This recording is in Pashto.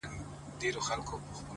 نسه ـ نسه يو داسې بله هم سته!